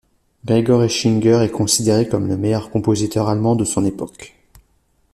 Gregor Aichinger est considéré comme le meilleur compositeur allemand de son époque.